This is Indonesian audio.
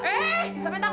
eh sampe takut